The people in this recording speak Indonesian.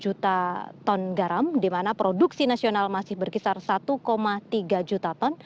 juta ton garam dimana produksi nasional masih berkisar satu tiga juta ton